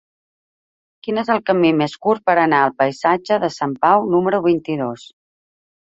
Quin és el camí més curt per anar al passatge de Sant Pau número vint-i-dos?